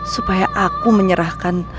supaya aku menyerahkan